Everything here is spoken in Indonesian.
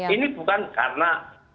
ini bukan karena